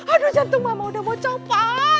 aduh jantung mama udah mau coba